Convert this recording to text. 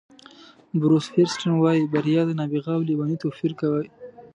بروس فیریسټن وایي بریا د نابغه او لېوني توپیر کوي.